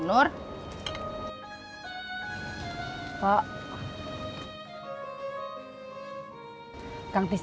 belum set materi